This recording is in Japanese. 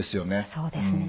そうですね。